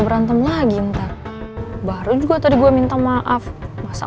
tuhan sudah makanya udah beray ay jadi mampir apa apa